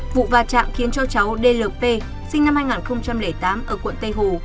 vụ vạt trạng khiến cho cháu dlp sinh năm hai nghìn tám ở quận tây hồ